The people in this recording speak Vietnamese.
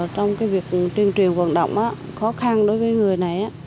trong cái việc truyền truyền hoạt động khó khăn đối với người này